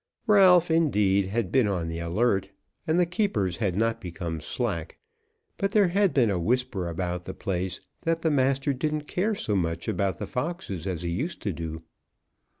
Ralph, indeed, had been on the alert, and the keepers had not become slack; but there had been a whisper about the place that the master didn't care so much about the foxes as he used to do.